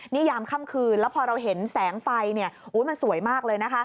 นี่ยามค่ำคืนแล้วพอเราเห็นแสงไฟมันสวยมากเลยนะคะ